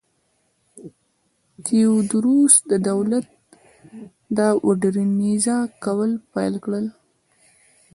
تیودوروس د دولت م وډرنیزه کول پیل کړل.